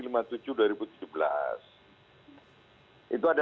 itu ada yang tidak ada